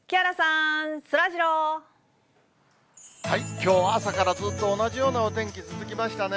きょう、朝からずっと同じようなお天気続きましたね。